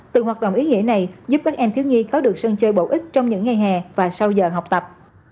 từ hoạt động ý nghĩa này giúp các em thiếu nhi có được sân chơi bổ ích trong những ngày hè và sau giờ học tập